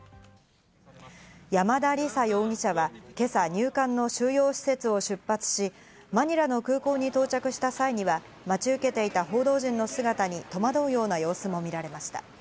山田李沙容疑者は今朝、入管の収容施設を出発し、マニラの空港に到着した際には待ち受けていた報道陣の姿に戸惑うような様子も見られました。